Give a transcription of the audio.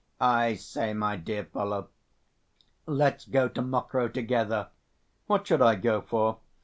"I say, my dear fellow, let's go to Mokroe together." "What should I go for?"